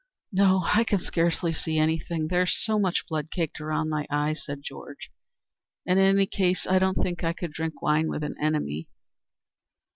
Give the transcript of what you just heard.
"No, I can scarcely see anything; there is so much blood caked round my eyes," said Georg, "and in any case I don't drink wine with an enemy."